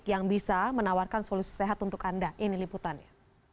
yang bisa menawarkan solusi sehat untuk anda ini liputannya